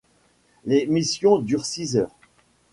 L'émission dure six heures.